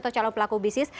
atau calon pelaku bisnis